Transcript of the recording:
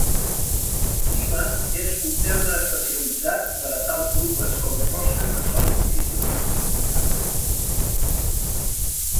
Tryma és un terme especialitzat per a tals drupes com rosca que són difícils de classificar.